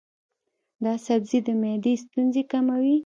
دا سبزی د معدې ستونزې کموي.